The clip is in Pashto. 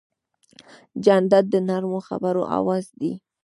جانداد د نرمو خبرو آواز دی.